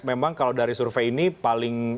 memang kalau dari survei ini paling